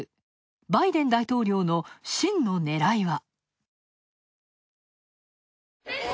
バイデン大統領の真のねらいは。